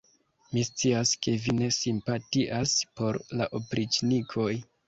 Mi scias, ke vi ne simpatias por la opriĉnikoj!